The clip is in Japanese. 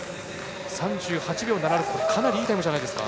３８秒７６かなりいいタイムじゃないですか。